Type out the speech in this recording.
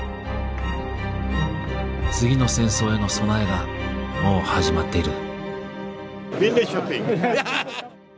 次の戦争への備えがもう始まっている。